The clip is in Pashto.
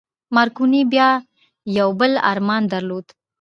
مارکوني بيا يو بل ارمان درلود.